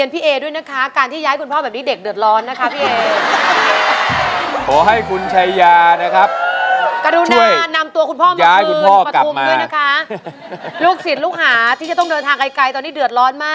ปฐุมครองสาม